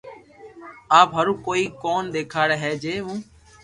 آپ ھارو ڪوئي ڪرن ديکارو ھي جي مون